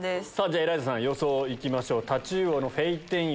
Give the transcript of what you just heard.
じゃエライザさん予想行きましょう。